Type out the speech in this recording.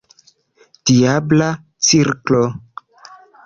Diabla cirklo!